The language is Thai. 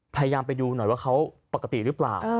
พยายามไปดูหน่อยว่าเขาปกติหรือเปล่า